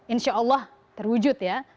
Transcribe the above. insya allah terwujud ya